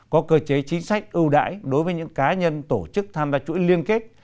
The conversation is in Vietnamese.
có cơ chế chính sách ưu đãi đối với những cá nhân tổ chức tham gia chuỗi liên kết